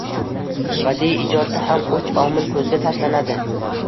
Badiiy ijodda ham uch omil ko’zga tashlanadi